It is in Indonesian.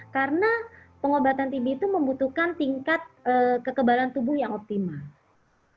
karena pengobatan tb itu membutuhkan tingkat kekebalan tubuh yang optimal